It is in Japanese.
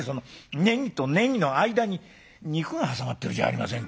ネギとネギの間に肉が挟まってるじゃありませんか」。